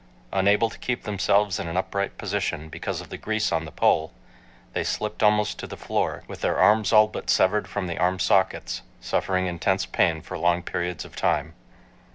Unable to keep themselves in an upright position, because of the grease on the pole, they slipped almost to the floor, with their arms all but severed from the arm sockets, suffering intense pain for long periods of time.